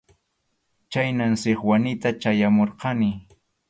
Chhaynam Sikwanita chayamurqani.